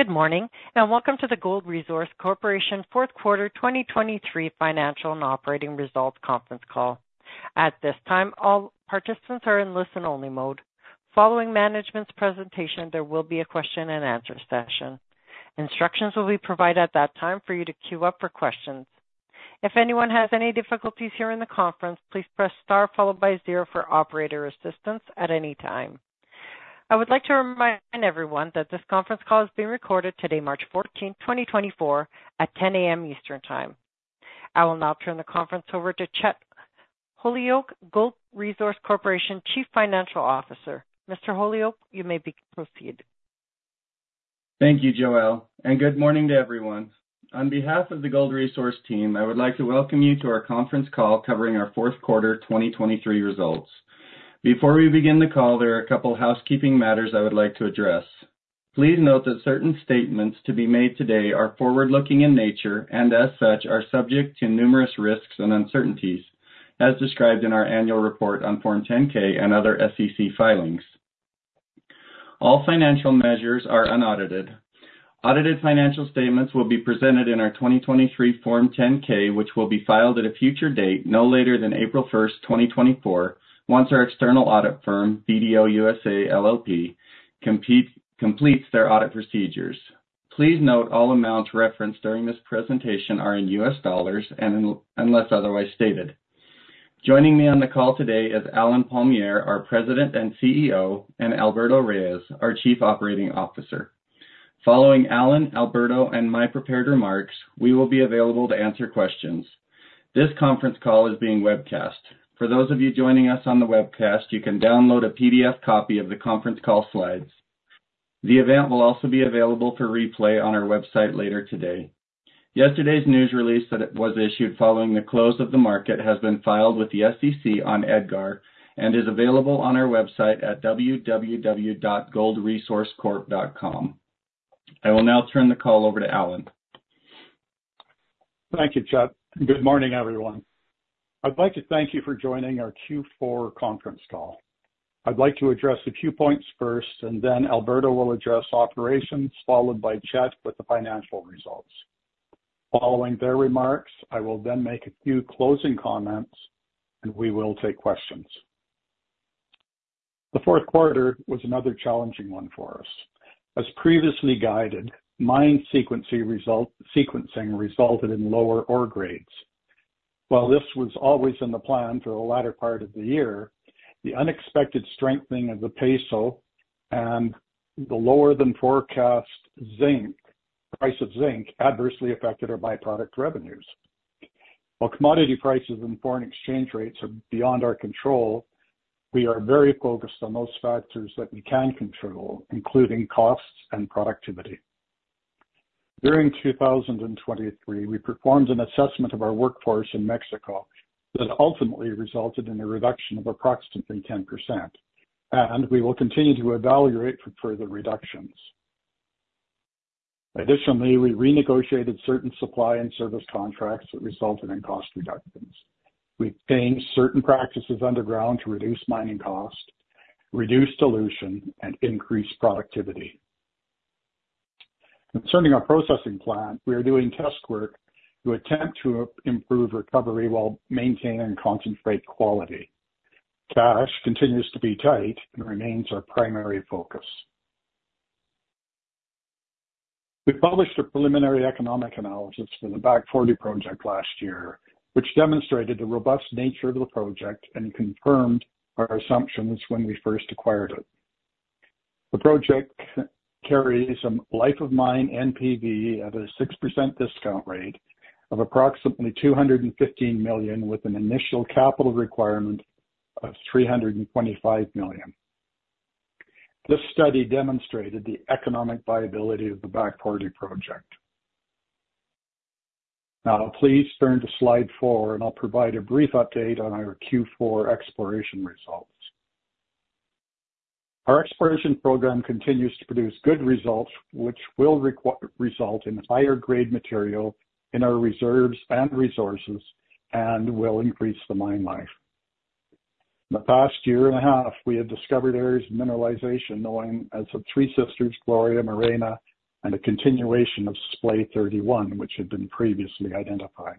Good morning and welcome to the Gold Resource Corporation fourth quarter 2023 financial and operating results conference call. At this time, all participants are in listen-only mode. Following management's presentation, there will be a question-and-answer session. Instructions will be provided at that time for you to queue up for questions. If anyone has any difficulties here in the conference, please press star followed by zero for operator assistance at any time. I would like to remind everyone that this conference call is being recorded today, March 14, 2024, at 10:00 A.M. Eastern Time. I will now turn the conference over to Chet Holyoak, Gold Resource Corporation Chief Financial Officer. Mr. Holyoak, you may proceed. Thank you, Joelle, and good morning to everyone. On behalf of the Gold Resource team, I would like to welcome you to our conference call covering our fourth quarter 2023 results. Before we begin the call, there are a couple of housekeeping matters I would like to address. Please note that certain statements to be made today are forward-looking in nature and, as such, are subject to numerous risks and uncertainties as described in our annual report on Form 10-K and other SEC filings. All financial measures are unaudited. Audited financial statements will be presented in our 2023 Form 10-K, which will be filed at a future date, no later than April 1, 2024, once our external audit firm, BDO USA, P.C., completes their audit procedures. Please note all amounts referenced during this presentation are in U.S. dollars and unless otherwise stated. Joining me on the call today is Allen Palmiere, our President and CEO, and Alberto Reyes, our Chief Operating Officer. Following Allen, Alberto, and my prepared remarks, we will be available to answer questions. This conference call is being webcast. For those of you joining us on the webcast, you can download a PDF copy of the conference call slides. The event will also be available for replay on our website later today. Yesterday's news release that was issued following the close of the market has been filed with the SEC on EDGAR and is available on our website at www.goldresourcecorp.com. I will now turn the call over to Allen. Thank you, Chet. Good morning, everyone. I'd like to thank you for joining our Q4 conference call. I'd like to address a few points first, and then Alberto will address operations followed by Chet with the financial results. Following their remarks, I will then make a few closing comments, and we will take questions. The fourth quarter was another challenging one for us. As previously guided, mine sequencing resulted in lower ore grades. While this was always in the plan for the latter part of the year, the unexpected strengthening of the peso and the lower-than-forecast price of zinc adversely affected our byproduct revenues. While commodity prices and foreign exchange rates are beyond our control, we are very focused on those factors that we can control, including costs and productivity. During 2023, we performed an assessment of our workforce in Mexico that ultimately resulted in a reduction of approximately 10%, and we will continue to evaluate for further reductions. Additionally, we renegotiated certain supply and service contracts that resulted in cost reductions. We've changed certain practices underground to reduce mining cost, reduce dilution, and increase productivity. Concerning our processing plant, we are doing test work to attempt to improve recovery while maintaining concentrate quality. Cash continues to be tight and remains our primary focus. We published a preliminary economic analysis for the Back Forty Project last year, which demonstrated the robust nature of the project and confirmed our assumptions when we first acquired it. The project carries a life of mine NPV at a 6% discount rate of approximately $215 million with an initial capital requirement of $325 million. This study demonstrated the economic viability of the Back Forty Project. Now, please turn to Slide 4, and I'll provide a brief update on our Q4 exploration results. Our exploration program continues to produce good results, which will result in higher-grade material in our reserves and resources and will increase the mine life. In the past year and a half, we have discovered areas of mineralization known as the Three Sisters, Gloria, Maricela, and a continuation of Splay 31, which had been previously identified,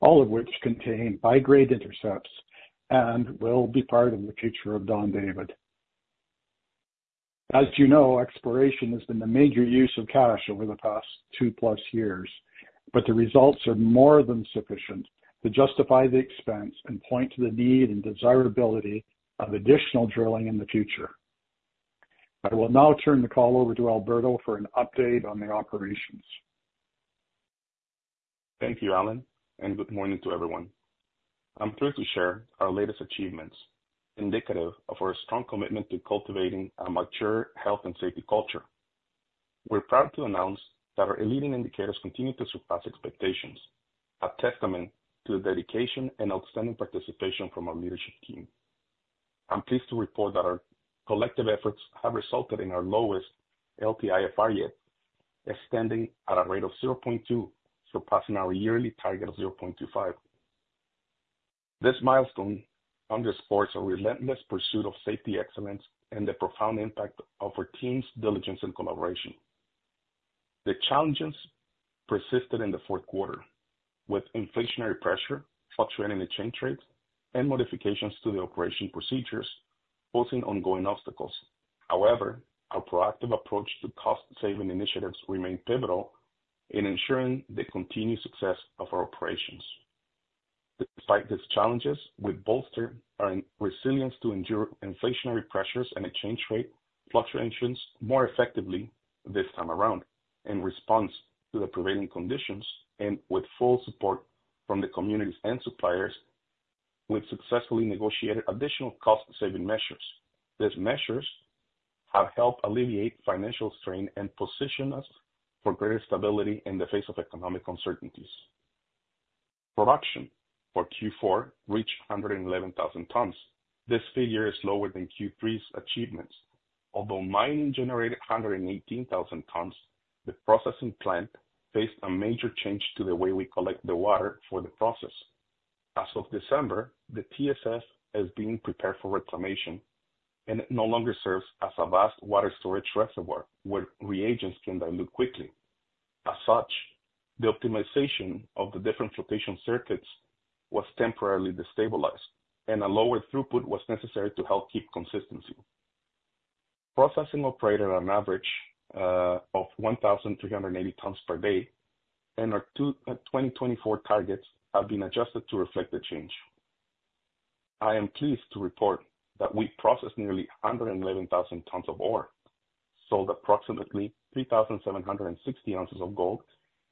all of which contain high-grade intercepts and will be part of the future of Don David. As you know, exploration has been a major use of cash over the past 2+ years, but the results are more than sufficient to justify the expense and point to the need and desirability of additional drilling in the future. I will now turn the call over to Alberto for an update on the operations. Thank you, Allen, and good morning to everyone. I'm thrilled to share our latest achievements, indicative of our strong commitment to cultivating a mature health and safety culture. We're proud to announce that our leading indicators continue to surpass expectations, a testament to the dedication and outstanding participation from our leadership team. I'm pleased to report that our collective efforts have resulted in our lowest LTIFR yet, standing at a rate of 0.2, surpassing our yearly target of 0.25. This milestone underscores our relentless pursuit of safety excellence and the profound impact of our team's diligence and collaboration. The challenges persisted in the fourth quarter, with inflationary pressure fluctuating in exchange rates and modifications to the operation procedures posing ongoing obstacles. However, our proactive approach to cost-saving initiatives remained pivotal in ensuring the continued success of our operations. Despite these challenges, we've bolstered our resilience to endure inflationary pressures and exchange rate fluctuations more effectively this time around in response to the prevailing conditions and with full support from the communities and suppliers. We've successfully negotiated additional cost-saving measures. These measures have helped alleviate financial strain and position us for greater stability in the face of economic uncertainties. Production for Q4 reached 111,000 tons. This figure is lower than Q3's achievements. Although mining generated 118,000 tons, the processing plant faced a major change to the way we collect the water for the process. As of December, the TSF is being prepared for reclamation, and it no longer serves as a vast water storage reservoir where reagents can dilute quickly. As such, the optimization of the different flotation circuits was temporarily destabilized, and a lower throughput was necessary to help keep consistency. Processing operated on an average of 1,380 tons per day, and our 2024 targets have been adjusted to reflect the change. I am pleased to report that we processed nearly 111,000 tons of ore, sold approximately 3,760 ounces of gold,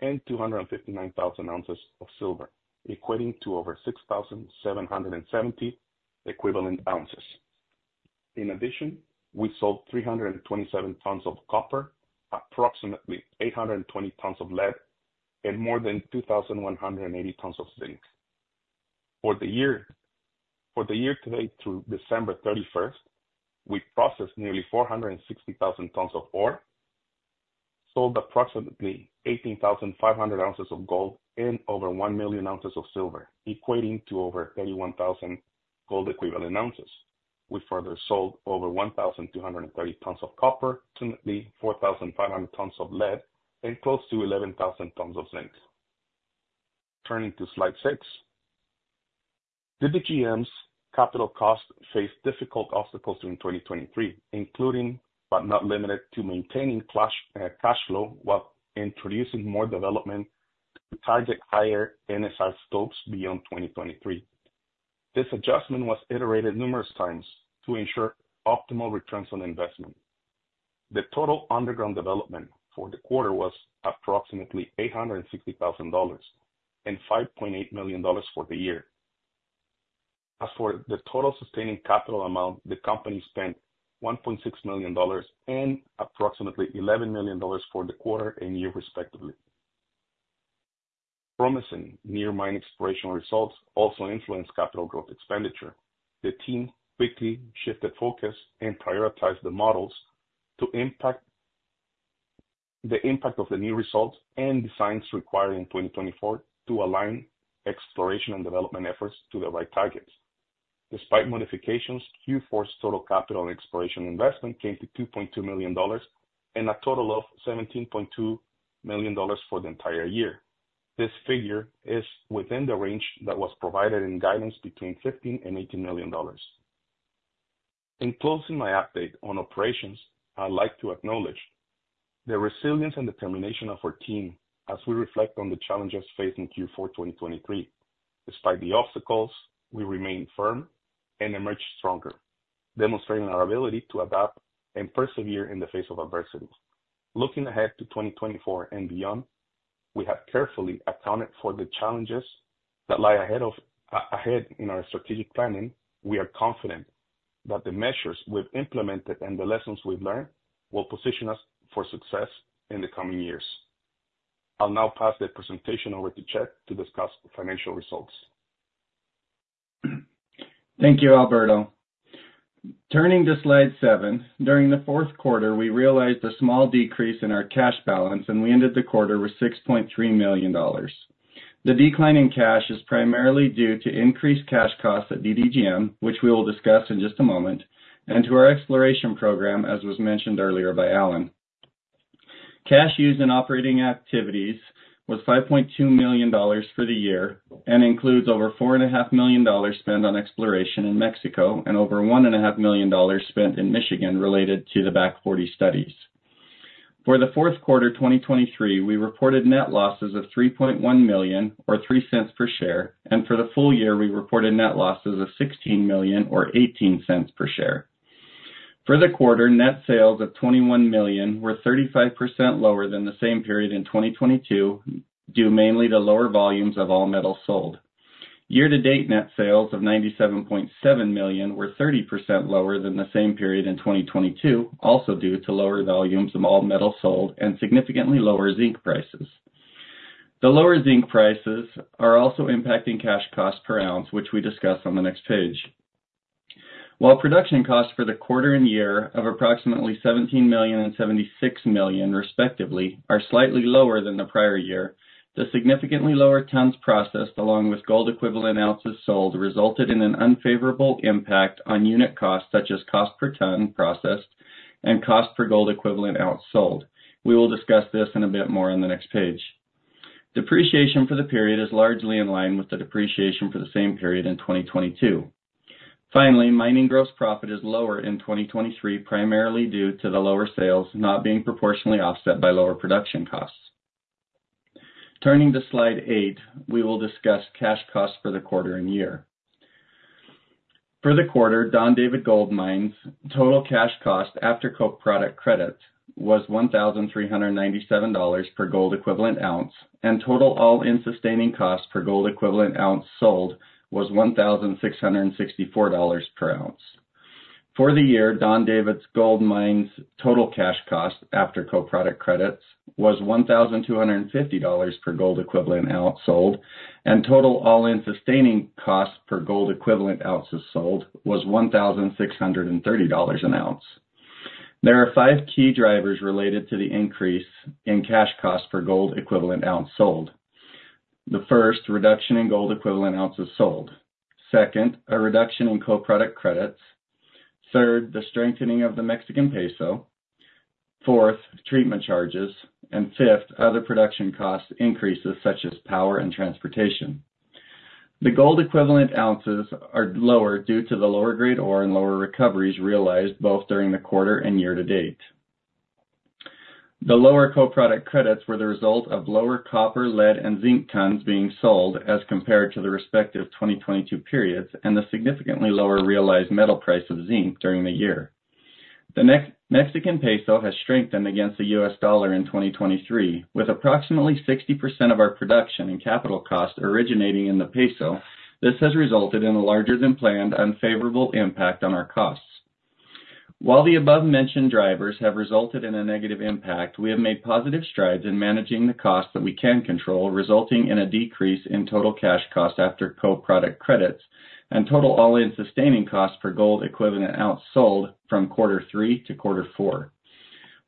and 259,000 ounces of silver, equating to over 6,770 equivalent ounces. In addition, we sold 327 tons of copper, approximately 820 tons of lead, and more than 2,180 tons of zinc. For the year-to-date, through December 31st, we processed nearly 460,000 tons of ore, sold approximately 18,500 ounces of gold, and over 1,000,000 ounces of silver, equating to over 31,000 gold equivalent ounces. We further sold over 1,230 tons of copper, approximately 4,500 tons of lead, and close to 11,000 tons of zinc. Turning to Slide 6, DDGM's capital costs faced difficult obstacles during 2023, including but not limited to maintaining cash flow while introducing more development to target higher NSR stopes beyond 2023. This adjustment was iterated numerous times to ensure optimal returns on investment. The total underground development for the quarter was approximately $860,000 and $5.8 million for the year. As for the total sustaining capital amount, the company spent $1.6 million and approximately $11 million for the quarter and year, respectively. Promising near-mine exploration results also influenced capital growth expenditure. The team quickly shifted focus and prioritized the models. The impact of the new results and designs required in 2024 to align exploration and development efforts to the right targets. Despite modifications, Q4's total capital and exploration investment came to $2.2 million and a total of $17.2 million for the entire year. This figure is within the range that was provided in guidance between $15 million-$18 million. In closing my update on operations, I'd like to acknowledge the resilience and determination of our team as we reflect on the challenges faced in Q4 2023. Despite the obstacles, we remained firm and emerged stronger, demonstrating our ability to adapt and persevere in the face of adversity. Looking ahead to 2024 and beyond, we have carefully accounted for the challenges that lie ahead in our strategic planning. We are confident that the measures we've implemented and the lessons we've learned will position us for success in the coming years. I'll now pass the presentation over to Chet to discuss financial results. Thank you, Alberto. Turning to Slide 7, during the fourth quarter, we realized a small decrease in our cash balance, and we ended the quarter with $6.3 million. The decline in cash is primarily due to increased cash costs at DDGM, which we will discuss in just a moment, and to our exploration program, as was mentioned earlier by Allen. Cash used in operating activities was $5.2 million for the year and includes over $4.5 million spent on exploration in Mexico and over $1.5 million spent in Michigan related to the Back Forty studies. For the fourth quarter 2023, we reported net losses of $3.1 million or $0.03 per share, and for the full year, we reported net losses of $16 million or $0.18 per share. For the quarter, net sales of $21 million were 35% lower than the same period in 2022, due mainly to lower volumes of all metals sold. Year-to-date net sales of $97.7 million were 30% lower than the same period in 2022, also due to lower volumes of all metals sold and significantly lower zinc prices. The lower zinc prices are also impacting cash costs per ounce, which we discuss on the next page. While production costs for the quarter and year of approximately $17 million and $76 million, respectively, are slightly lower than the prior year, the significantly lower tons processed along with gold equivalent ounces sold resulted in an unfavorable impact on unit costs such as cost per ton processed and cost per gold equivalent ounce sold. We will discuss this in a bit more on the next page. Depreciation for the period is largely in line with the depreciation for the same period in 2022. Finally, mining gross profit is lower in 2023, primarily due to the lower sales not being proportionally offset by lower production costs. Turning to Slide 8, we will discuss cash costs for the quarter and year. For the quarter, Don David Gold Mine's total cash cost after co-product credits was $1,397 per gold equivalent ounce, and total all-in sustaining costs per gold equivalent ounce sold was $1,664 per ounce. For the year, Don David Gold Mine's total cash cost after co-product credits was $1,250 per gold equivalent ounce sold, and total all-in sustaining costs per gold equivalent ounce sold was $1,630 an ounce. There are five key drivers related to the increase in cash costs per gold equivalent ounce sold. The first, reduction in gold equivalent ounces sold. Second, a reduction in co-product credits. Third, the strengthening of the Mexican peso. Fourth, treatment charges. Fifth, other production cost increases such as power and transportation. The gold equivalent ounces are lower due to the lower-grade ore and lower recoveries realized both during the quarter and year-to-date. The lower co-product credits were the result of lower copper, lead, and zinc tons being sold as compared to the respective 2022 periods and the significantly lower realized metal price of zinc during the year. The Mexican peso has strengthened against the U.S. dollar in 2023, with approximately 60% of our production and capital costs originating in the peso. This has resulted in a larger-than-planned unfavorable impact on our costs. While the above-mentioned drivers have resulted in a negative impact, we have made positive strides in managing the costs that we can control, resulting in a decrease in total cash costs after co-product credits and total all-in sustaining costs per gold equivalent ounce sold from quarter three to quarter four.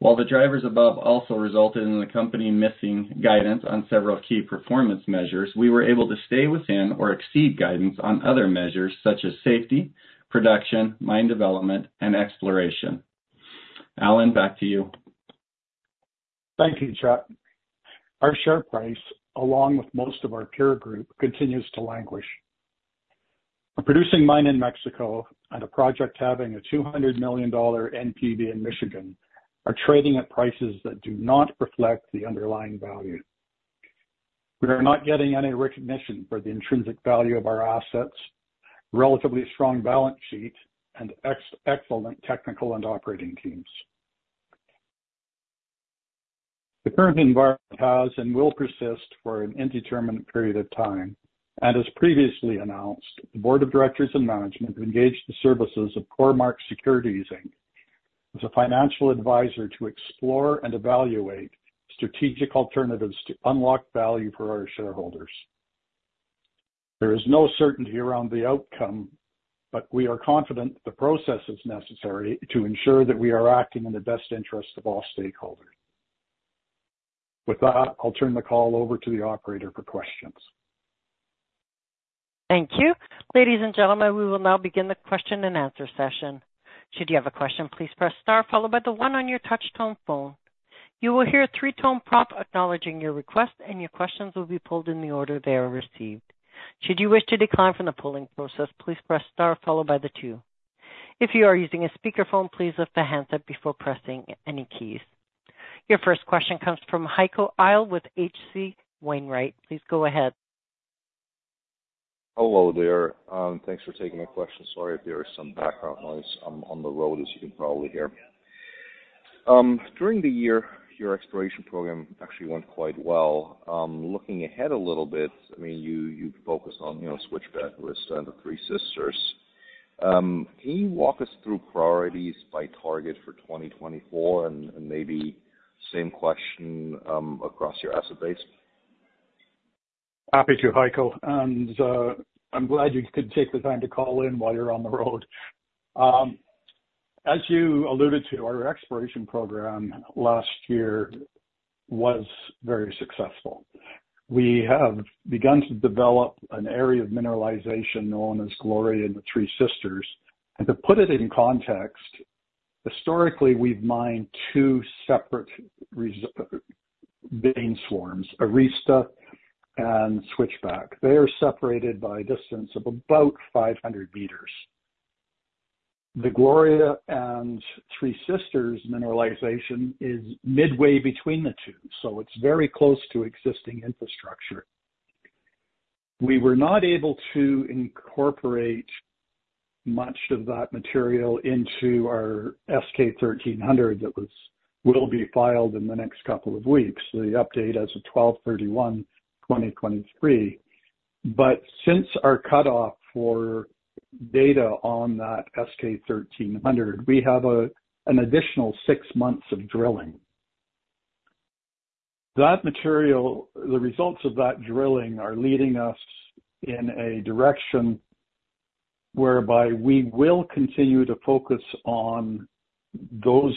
While the drivers above also resulted in the company missing guidance on several key performance measures, we were able to stay within or exceed guidance on other measures such as safety, production, mine development, and exploration. Allen, back to you. Thank you, Chet. Our share price, along with most of our peer group, continues to languish. A producing mine in Mexico and a project having a $200 million NPV in Michigan are trading at prices that do not reflect the underlying value. We are not getting any recognition for the intrinsic value of our assets, relatively strong balance sheet, and excellent technical and operating teams. The current environment has and will persist for an indeterminate period of time. As previously announced, the board of directors and management have engaged the services of Cormark Securities Inc. as a financial advisor to explore and evaluate strategic alternatives to unlock value for our shareholders. There is no certainty around the outcome, but we are confident the process is necessary to ensure that we are acting in the best interest of all stakeholders. With that, I'll turn the call over to the operator for questions. Thank you. Ladies and gentlemen, we will now begin the question-and-answer session. Should you have a question, please press star, followed by the one on your touchscreen phone. You will hear a three-tone prompt acknowledging your request, and your questions will be pulled in the order they are received. Should you wish to decline from the pulling process, please press star, followed by the two. If you are using a speakerphone, please lift the handset before pressing any keys. Your first question comes from Heiko Ihle with H.C. Wainwright. Please go ahead. Hello there. Thanks for taking my question. Sorry if there is some background noise. I'm on the road, as you can probably hear. During the year, your exploration program actually went quite well. Looking ahead a little bit, I mean, you've focused on Switchback, Arista, and the Three Sisters. Can you walk us through priorities by target for 2024 and maybe same question across your asset base? Happy to, Heiko. I'm glad you could take the time to call in while you're on the road. As you alluded to, our exploration program last year was very successful. We have begun to develop an area of mineralization known as Gloria and the Three Sisters. To put it in context, historically, we've mined two separate vein swarms, Arista and Switchback. They are separated by a distance of about 500 meters. The Gloria and Three Sisters mineralization is midway between the two, so it's very close to existing infrastructure. We were not able to incorporate much of that material into our S-K 1300 that will be filed in the next couple of weeks, the update as of 12/31/2023. But since our cutoff for data on that S-K 1300, we have an additional six months of drilling. The results of that drilling are leading us in a direction whereby we will continue to focus on those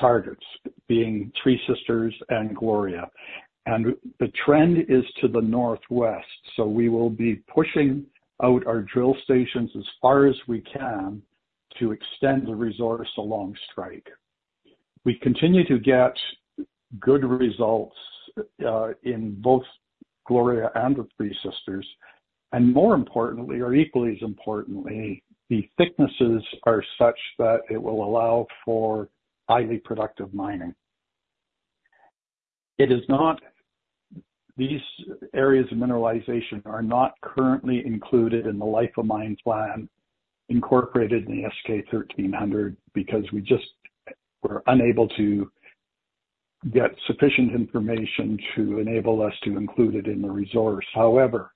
targets, being Three Sisters and Gloria. The trend is to the northwest, so we will be pushing out our drill stations as far as we can to extend the resource along strike. We continue to get good results in both Gloria and the Three Sisters. More importantly, or equally as importantly, the thicknesses are such that it will allow for highly productive mining. These areas of mineralization are not currently included in the life of mine plan incorporated in the S-K 1300 because we just were unable to get sufficient information to enable us to include it in the resource. However,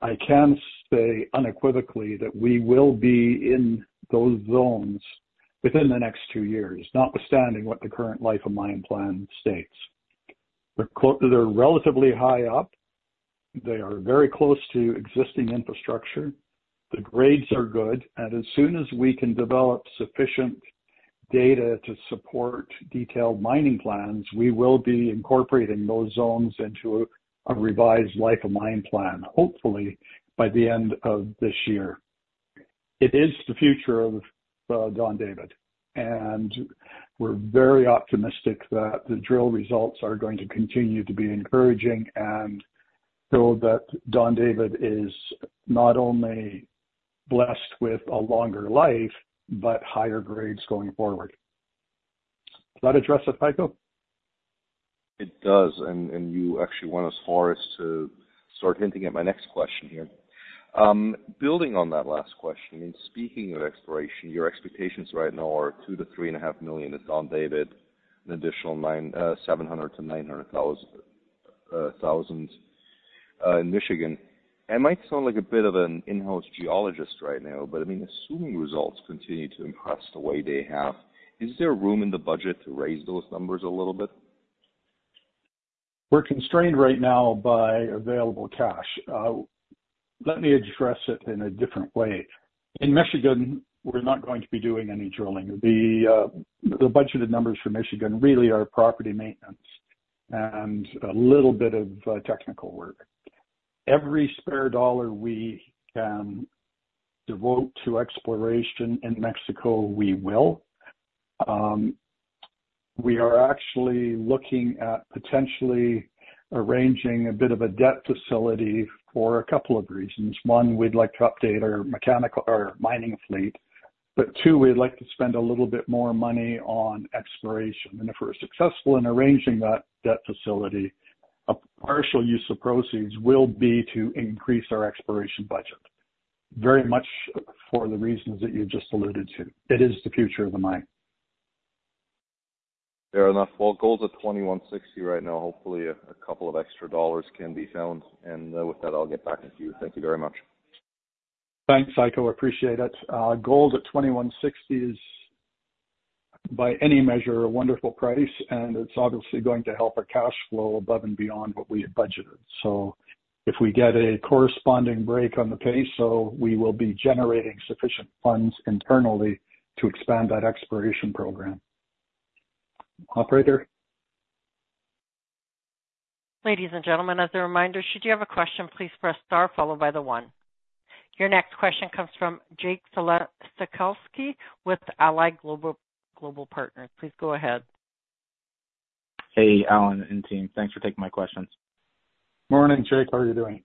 I can say unequivocally that we will be in those zones within the next two years, notwithstanding what the current life of mine plan states. They're relatively high up. They are very close to existing infrastructure. The grades are good. As soon as we can develop sufficient data to support detailed mining plans, we will be incorporating those zones into a revised life-of-mine plan, hopefully by the end of this year. It is the future of Don David. We're very optimistic that the drill results are going to continue to be encouraging and show that Don David is not only blessed with a longer life but higher grades going forward. Does that address it, Heiko? It does. And you actually went as far as to start hinting at my next question here. Building on that last question, I mean, speaking of exploration, your expectations right now are $2 million-$3.5 million to Don David, an additional $700,000-$900,000 in Michigan. I might sound like a bit of an in-house geologist right now, but I mean, assuming results continue to impress the way they have, is there room in the budget to raise those numbers a little bit? We're constrained right now by available cash. Let me address it in a different way. In Michigan, we're not going to be doing any drilling. The budgeted numbers for Michigan really are property maintenance and a little bit of technical work. Every spare dollar we can devote to exploration in Mexico, we will. We are actually looking at potentially arranging a bit of a debt facility for a couple of reasons. One, we'd like to update our mining fleet. But two, we'd like to spend a little bit more money on exploration. And if we're successful in arranging that debt facility, a partial use of proceeds will be to increase our exploration budget, very much for the reasons that you just alluded to. It is the future of the mine. Fair enough. Well, Gold's at 2160 right now. Hopefully, a couple of extra dollars can be found. And with that, I'll get back with you. Thank you very much. Thanks, Heiko. Appreciate it. Gold at $2,160 is, by any measure, a wonderful price, and it's obviously going to help our cash flow above and beyond what we had budgeted. So if we get a corresponding break on the peso, we will be generating sufficient funds internally to expand that exploration program. Operator? Ladies and gentlemen, as a reminder, should you have a question, please press star, followed by the 1. Your next question comes from Jake Sekelsky with Alliance Global Partners. Please go ahead. Hey, Allen and team. Thanks for taking my questions. Morning, Jake. How are you doing?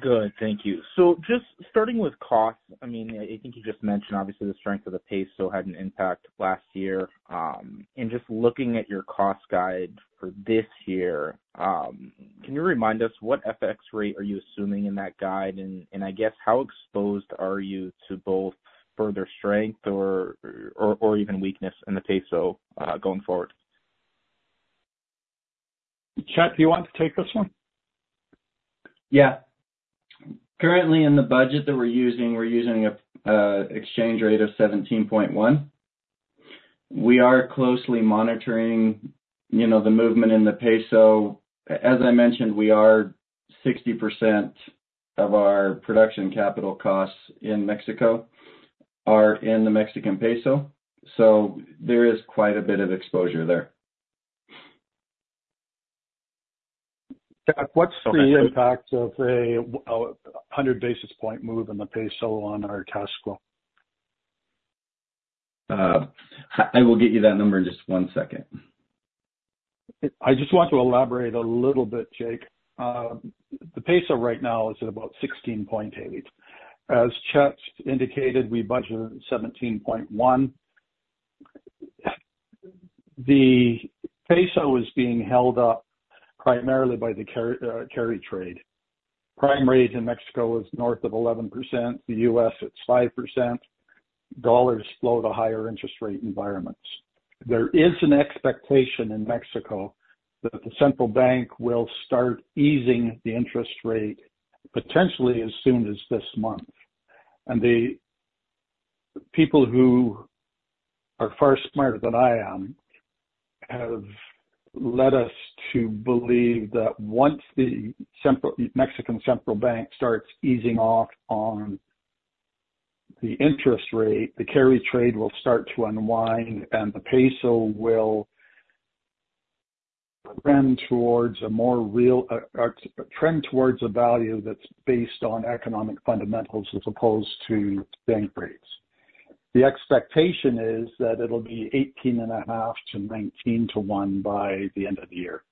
Good. Thank you. So just starting with costs, I mean, I think you just mentioned, obviously, the strength of the peso so had an impact last year. And just looking at your cost guide for this year, can you remind us what FX rate are you assuming in that guide? And I guess, how exposed are you to both further strength or even weakness in the peso going forward? Chet, do you want to take this one? Yeah. Currently, in the budget that we're using, we're using an exchange rate of 17.1. We are closely monitoring the movement in the peso. As I mentioned, we are 60% of our production capital costs in Mexico are in the Mexican peso. So there is quite a bit of exposure there. Chet, what's the impact of a 100 basis point move in the Mexican peso on our cash flow? I will get you that number in just one second. I just want to elaborate a little bit, Jake. The peso right now is at about 16.8. As Chet indicated, we budgeted 17.1. The peso is being held up primarily by the carry trade. Prime rate in Mexico is north of 11%. The U.S., it's 5%. Dollars flow to higher interest rate environments. There is an expectation in Mexico that the central bank will start easing the interest rate potentially as soon as this month. The people who are far smarter than I am have led us to believe that once the Mexican central bank starts easing off on the interest rate, the carry trade will start to unwind, and the peso will trend towards a more real trend towards a value that's based on economic fundamentals as opposed to bank rates. The expectation is that it'll be 18.5:1-19:1 by the end of the year.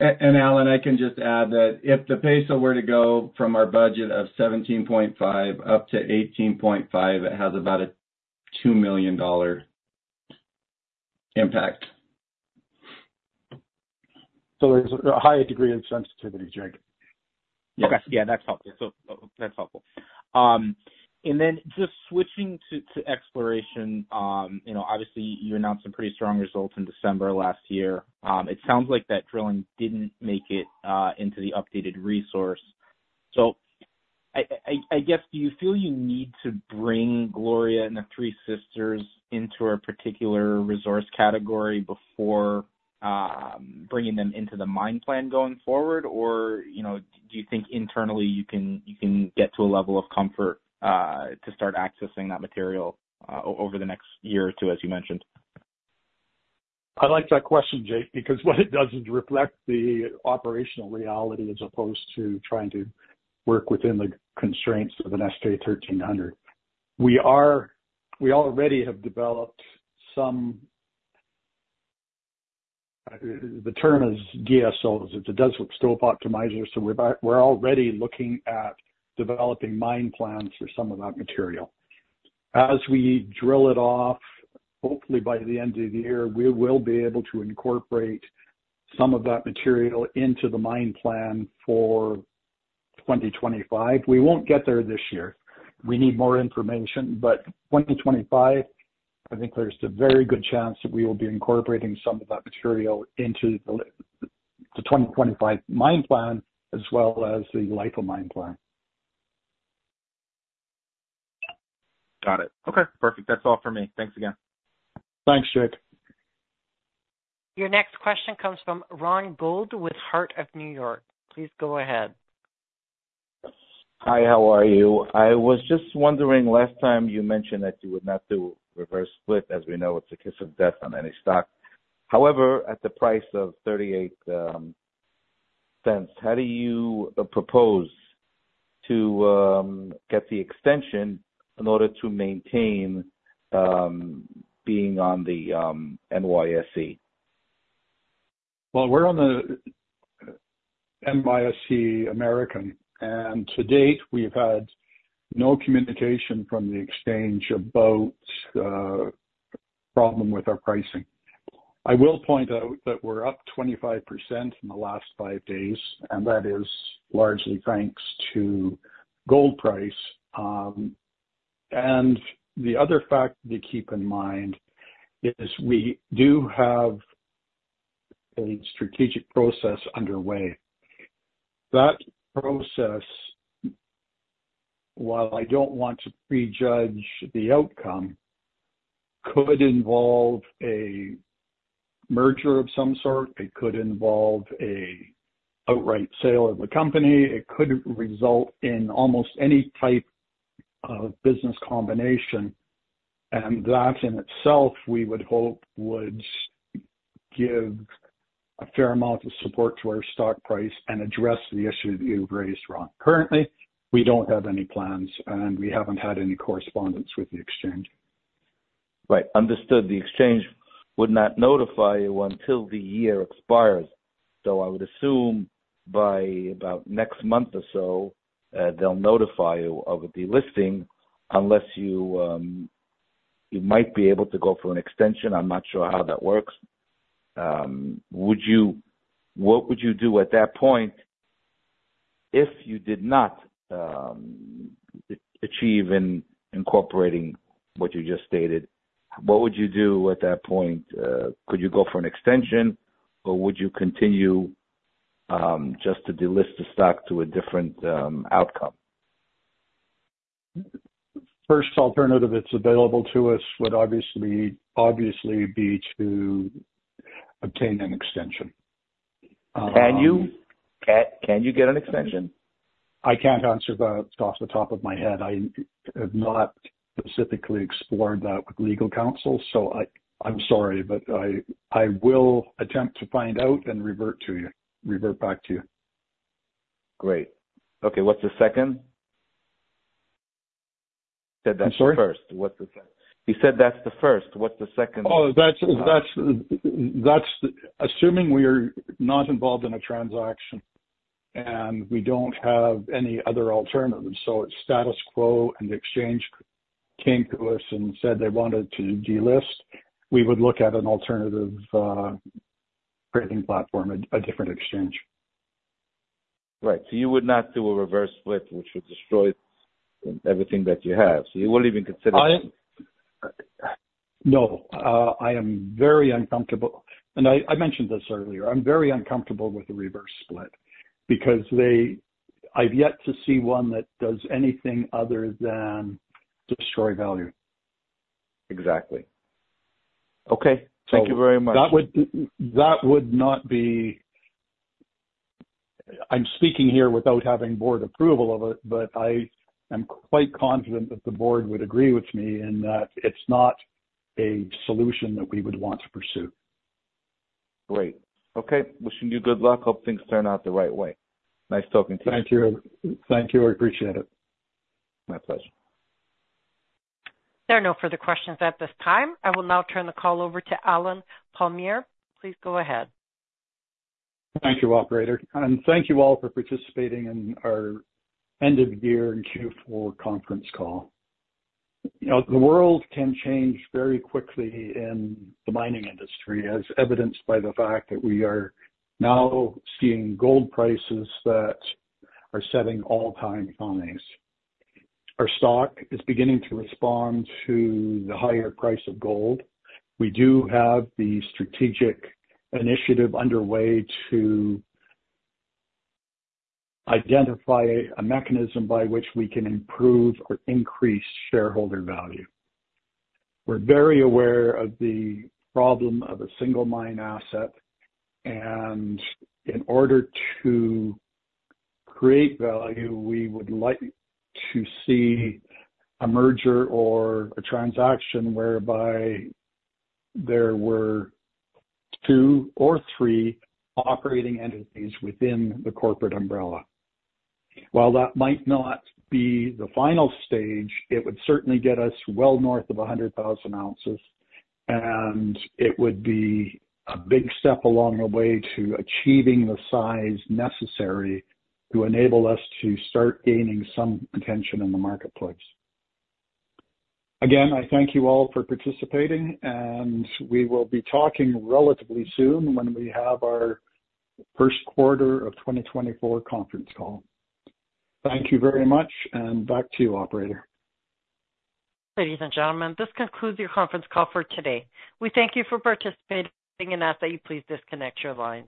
And Allen, I can just add that if the peso were to go from our budget of 17.5 up to 18.5, it has about a $2 million impact. There's a high degree of sensitivity, Jake. Yeah. Yeah, that's helpful. That's helpful. And then just switching to exploration, obviously, you announced some pretty strong results in December last year. It sounds like that drilling didn't make it into the updated resource. So I guess, do you feel you need to bring Gloria and the Three Sisters into a particular resource category before bringing them into the mine plan going forward? Or do you think internally, you can get to a level of comfort to start accessing that material over the next year or two, as you mentioned? I like that question, Jake, because what it does is reflect the operational reality as opposed to trying to work within the constraints of an S-K 1300. We already have developed some; the term is MSOs. Mine Stope Optimizers. So we're already looking at developing mine plans for some of that material. As we drill it off, hopefully, by the end of the year, we will be able to incorporate some of that material into the mine plan for 2025. We won't get there this year. We need more information. But 2025, I think there's a very good chance that we will be incorporating some of that material into the 2025 mine plan as well as the life-of-mine plan. Got it. Okay. Perfect. That's all for me. Thanks again. Thanks, Jake. Your next question comes from Ron Gold with Heart of New York. Please go ahead. Hi. How are you? I was just wondering, last time you mentioned that you would not do reverse split. As we know, it's a kiss of death on any stock. However, at the price of $0.38, how do you propose to get the extension in order to maintain being on the NYSE? Well, we're on the NYSE American. To date, we've had no communication from the exchange about a problem with our pricing. I will point out that we're up 25% in the last five days, and that is largely thanks to gold price. The other fact to keep in mind is we do have a strategic process underway. That process, while I don't want to prejudge the outcome, could involve a merger of some sort. It could involve an outright sale of the company. It could result in almost any type of business combination. That in itself, we would hope, would give a fair amount of support to our stock price and address the issue that you've raised, Ron. Currently, we don't have any plans, and we haven't had any correspondence with the exchange. Right. Understood. The exchange would not notify you until the year expires. So I would assume by about next month or so, they'll notify you of the listing unless you might be able to go for an extension. I'm not sure how that works. What would you do at that point if you did not achieve in incorporating what you just stated? What would you do at that point? Could you go for an extension, or would you continue just to delist the stock to a different outcome? First alternative that's available to us would obviously be to obtain an extension. Can you get an extension? I can't answer that off the top of my head. I have not specifically explored that with legal counsel, so I'm sorry, but I will attempt to find out and revert back to you. Great. Okay. What's the second? You said that's the first. I'm sorry? What's the second? You said that's the first. What's the second? Oh, assuming we are not involved in a transaction and we don't have any other alternatives, so it's status quo and the exchange came to us and said they wanted to delist, we would look at an alternative trading platform, a different exchange. Right. So you would not do a reverse split, which would destroy everything that you have. So you wouldn't even consider that? No. I am very uncomfortable. I mentioned this earlier. I'm very uncomfortable with a reverse split because I've yet to see one that does anything other than destroy value. Exactly. Okay. Thank you very much. That would not be. I'm speaking here without having board approval of it, but I am quite confident that the board would agree with me in that it's not a solution that we would want to pursue. Great. Okay. Wishing you good luck. Hope things turn out the right way. Nice talking to you. Thank you. Thank you. I appreciate it. My pleasure. There are no further questions at this time. I will now turn the call over to Allen Palmiere. Please go ahead. Thank you, operator. Thank you all for participating in our end-of-year and Q4 conference call. The world can change very quickly in the mining industry, as evidenced by the fact that we are now seeing gold prices that are setting all-time highs. Our stock is beginning to respond to the higher price of gold. We do have the strategic initiative underway to identify a mechanism by which we can improve or increase shareholder value. We're very aware of the problem of a single mine asset. In order to create value, we would like to see a merger or a transaction whereby there were two or three operating entities within the corporate umbrella. While that might not be the final stage, it would certainly get us well north of 100,000 ounces, and it would be a big step along the way to achieving the size necessary to enable us to start gaining some attention in the marketplace. Again, I thank you all for participating, and we will be talking relatively soon when we have our first quarter of 2024 conference call. Thank you very much, and back to you, operator. Ladies and gentlemen, this concludes your conference call for today. We thank you for participating, and ask that you please disconnect your line.